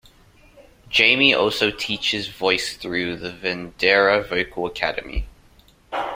Jaimie also teaches voice through the Vendera Vocal Academy.